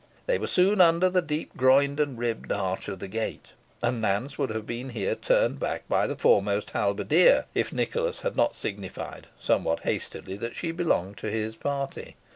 They were soon under the deep groined and ribbed arch of the gate, and Nance would have been here turned back by the foremost halberdier, if Nicholas had not signified somewhat hastily that she belonged to his party.